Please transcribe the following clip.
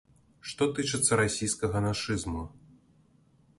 Што тычыцца расійскага нашызму.